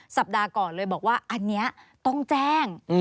สัปดาห์ก่อนเลยบอกว่าอันนี้ต้องแจ้ง